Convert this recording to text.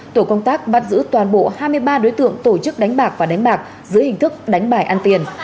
tổ công tác bắt giữ toàn bộ hai mươi ba đối tượng tổ chức đánh bạc và đánh bạc dưới hình thức đánh bài ăn tiền